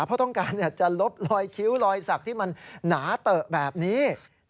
เพราะต้องการจะลบรอยคิ้วรอยสักที่มันหนาเตอะแบบนี้